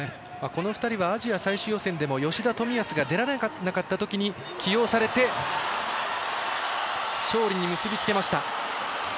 この２人はアジア最終予選でも吉田、冨安が出られなかったときに起用されて勝利に結び付けました。